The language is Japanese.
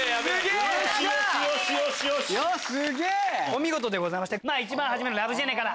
お見事でございました。